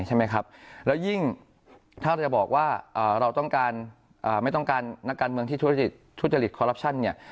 และยิ่งถ้าเราจะบอกว่าเราไม่ต้องการนักการเมืองที่ทุจริตคอลลัพชั่น